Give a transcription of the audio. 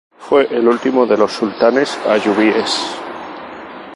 Fue el último de los sultanes ayubíes.